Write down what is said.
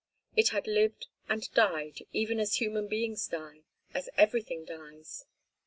It had lived and died, even as human beings die, as everything dies.